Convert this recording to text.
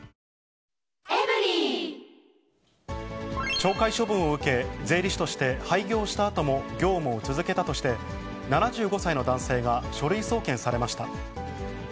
懲戒処分を受け、税理士として廃業したあとも業務を続けたとして、７５歳の男性が書類送検されました。